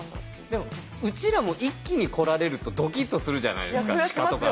でもうちらも一気に来られるとドキッとするじゃないですか鹿とかって。